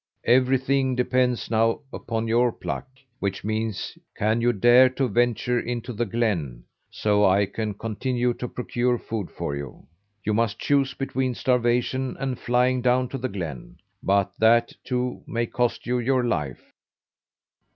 Everything depends now upon your pluck which means can you dare to venture into the glen, so I can continue to procure food for you? You must choose between starvation and flying down to the glen, but that, too, may cost you your life."